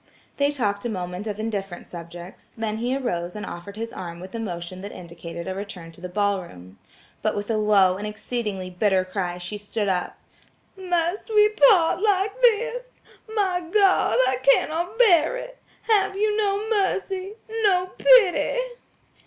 They talked a moment of indifferent subjects, then he arose and offered his arm with a motion that indicated a return to the ball room. But with a low and exceedingly bitter cry she stood up. "Must we part like this? My God! I cannot bear it! Have you no mercy, no pity?"